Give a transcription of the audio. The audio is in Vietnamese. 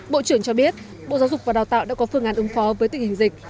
bộ trưởng cho biết bộ giáo dục và đào tạo đã có phương án ứng phó với tình hình dịch